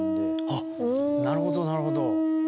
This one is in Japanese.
あっなるほどなるほど。